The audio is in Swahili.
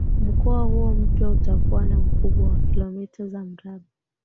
mkoa huo mpya utakuwa na ukubwa wa kilomita za mraba